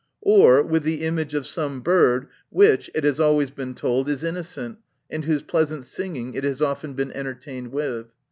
Or, with the image of some bird, which it has always been told, is innocent, and whose pleasant sing ing it has often been entertained with